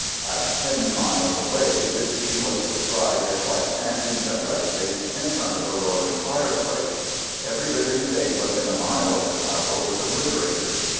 At ten miles away, this heat was described as like standing directly in front of a roaring fireplace. Every living thing within a mile of the tower was obliterated.